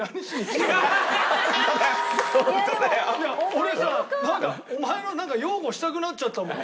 俺さなんかお前の擁護したくなっちゃったもん。